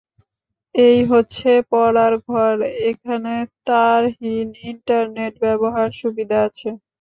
এই হচ্ছে পড়ার ঘর, এখানে তারহীন ইন্টারনেট ব্যবহার সুবিধা আছে।